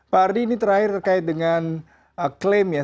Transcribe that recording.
pak ardi ini terakhir terkait dengan klaim ya